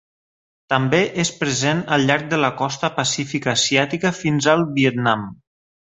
També és present al llarg de la costa pacífica asiàtica fins al Vietnam.